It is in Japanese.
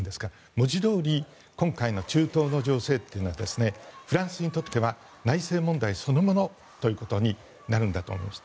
文字どおり今回の中東の情勢というのはフランスにとっては内政問題そのものということになるんだと思います。